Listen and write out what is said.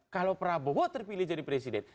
kalau prabowo terpilih jadi presiden